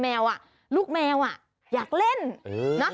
แต่ลูกแมวอยากเล่น